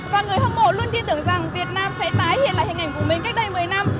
và người hâm mộ luôn tin tưởng rằng việt nam sẽ tái hiện lại hình ảnh của mình cách đây một mươi năm